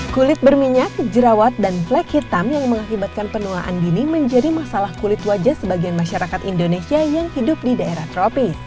kulit berminyak jerawat dan flag hitam yang mengakibatkan penuaan dini menjadi masalah kulit wajah sebagian masyarakat indonesia yang hidup di daerah tropi